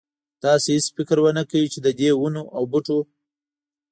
تاسې هېڅ فکر ونه کړ چې ددې ونو او بوټو.